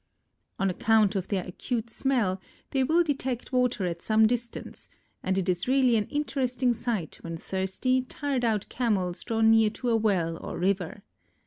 On account of their acute smell, they will detect water at some distance and it is really an interesting sight when thirsty, tired out Camels draw near to a well or river.